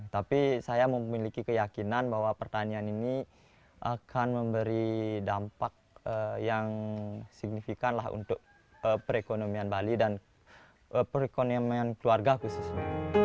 tapi saya memiliki keyakinan bahwa pertanian ini akan memberi dampak yang signifikan lah untuk perekonomian bali dan perekonomian keluarga khususnya